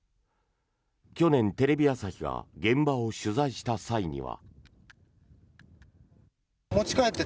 去年、テレビ朝日が現場を取材した際には。